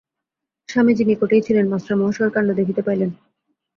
স্বামীজী নিকটেই ছিলেন, মাষ্টার মহাশয়ের কাণ্ড দেখিতে পাইলেন।